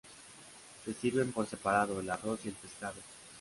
Se sirven por separado el arroz y el pescado.